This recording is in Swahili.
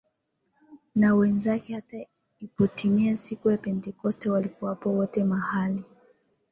na wenzake Hata ilipotimia siku ya Pentekoste walikuwapo wote mahali